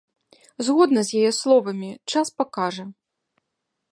Згодна з яе словамі, час пакажа.